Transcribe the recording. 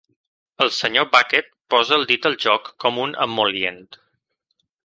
El Sr. Bucket posa el dit al joc com un emol·lient.